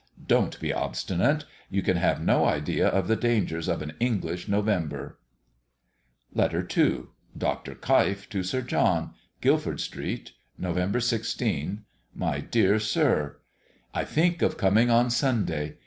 Don't be obstinate. You can have no idea of the dangers of an English November. LETTER II. DR. KEIF TO SIR JOHN. GUILDFORD STREET, November 16. MY DEAR SIR, I think of coming on Sunday.